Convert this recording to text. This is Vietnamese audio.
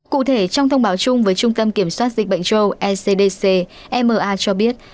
cụ thể trong thông báo chung với trung tâm kiểm soát dịch bệnh châu âu ecdc ma cho biết